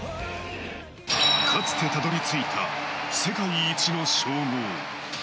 かつてたどり着いた世界一の称号。